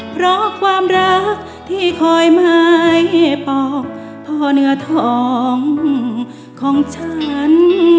เพราะความรักที่คอยหมายปอกเพราะเหนือทองของฉัน